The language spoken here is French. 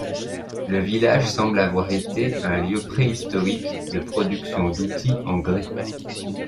Le village semble avoir été un lieu préhistorique de production d'outils en grès.